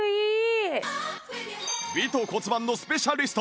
美と骨盤のスペシャリスト